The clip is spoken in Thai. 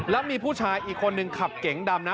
แล้วมีผู้ชายอีกคนนึงขับเก๋งดำนะ